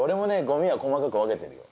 ゴミは細かく分けてるよ。